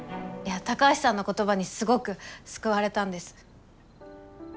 いや高橋さんの言葉にすごく救われたんです。